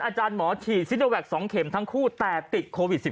อาจารย์หมอฉีดซิโนแวค๒เข็มทั้งคู่แต่ติดโควิด๑๙